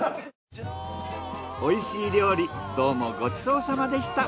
美味しい料理どうもごちそうさまでした。